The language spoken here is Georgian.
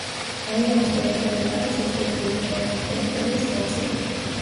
რაიონის ტერიტორია არის ისტორიული ჰერეთის ტერიტორიის ნაწილი.